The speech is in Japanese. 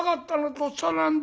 とっさなんで。